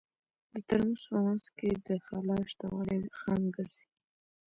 د ترموز په منځ کې د خلاء شتوالی خنډ ګرځي.